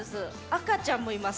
赤ちゃんもいます。